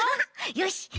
よし！